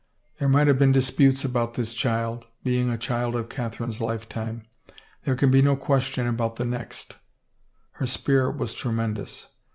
There might have been disputes about this child — being a child of Catherine's lifetime. There can be no question about the next I " Her spirit was tremendous.